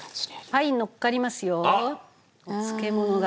はいのっかりますよお漬物が。